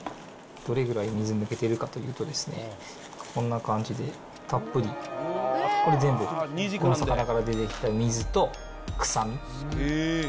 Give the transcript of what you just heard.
どれぐらい水抜けているかというとですね、こんな感じで、たっぷり、これ全部、この魚から出てきた水と臭み。